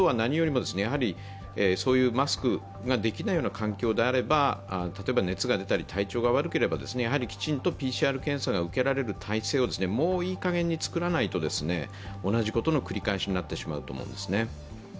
あとは、そういうマスクができないような環境であれば、例えば熱が出たり体調が悪ければきちんとＰＣＲ検査を受けられる体制をもういいかげんに作らないと、同じことの繰り返しなってしまうと思いますね。